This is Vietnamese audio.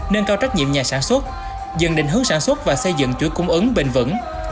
nâng cao trách nhiệm nhà sản xuất dần định hướng sản xuất và xây dựng chuỗi cung ứng bền vững